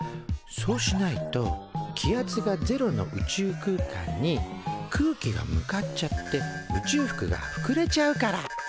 そうしないと気圧がゼロの宇宙空間に空気が向かっちゃって宇宙服がふくれちゃうから。